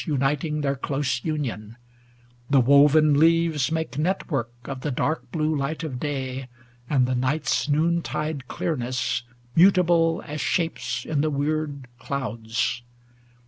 Uniting their close union; the woven leaves Make network of the dark blue light of day And the night's noontide clearness, mutable As shapes in the weird clouds.